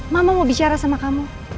mama mau bicara sama kamu